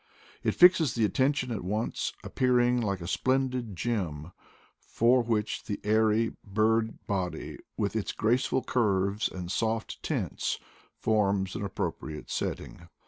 It fixes the attention at once, appearing like a splendid gem, for which the airy bird body, with its graceful curves and soft tints, forms an ap propriate setting.